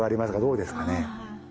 どうですかね。